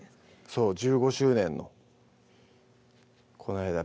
そう１５周年のこないだ